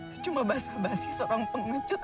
itu cuma basah basih serang pengecut